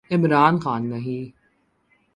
عمران خان نہیں۔